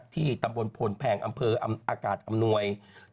ที่ตำบลพลแพงอำเภออากาศอำนวย